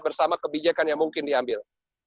bersama kebijakan yang mungkin diambil